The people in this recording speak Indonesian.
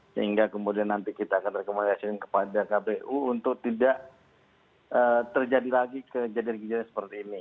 sehingga kemudian nanti kita akan rekomendasikan kepada kpu untuk tidak terjadi lagi kejadian kejadian seperti ini